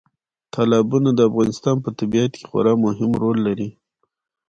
تالابونه د افغانستان په طبیعت کې خورا مهم رول لري.